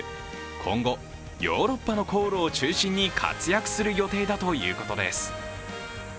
今後、ヨーロッパの航路を中心に活躍する予定だということです。